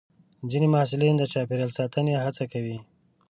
ځینې محصلین د چاپېریال ساتنې هڅه کوي.